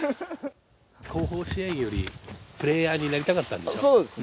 後方支援よりプレーヤーになりたかったんでしょ？